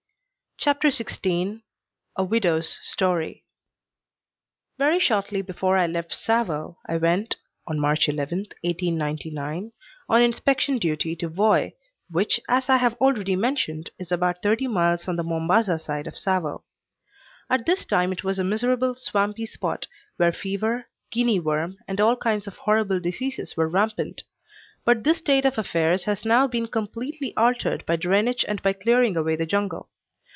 CHAPTER XVI A WIDOW'S STORY Very shortly before I left Tsavo I went (on March 11, 1899) on inspection duty to Voi, which, as I have already mentioned, is about thirty miles on the Mombasa side of Tsavo. At this time it was a miserable, swampy spot, where fever, guinea worm, and all kinds of horrible diseases were rampant; but this state of affairs has now been completely altered by drainage and by clearing away the jungle.